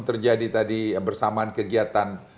terjadi tadi bersamaan kegiatan